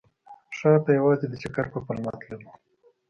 ښار ته یوازې د چکر په پلمه تللو.